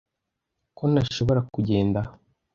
ko ntashoboraga kugenda